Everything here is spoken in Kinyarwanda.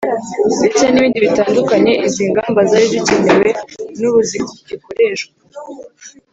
ndetse n’ ibindi bitandukanye. izi ngamba zari zikenewe n’ ubu zigikoreshwa